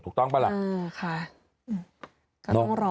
ถูกต้องไปละ